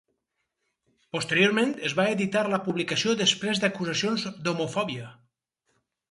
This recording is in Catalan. Posteriorment, es va editar la publicació després d'acusacions d'homofòbia.